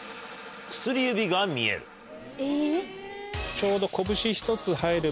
・ちょうど。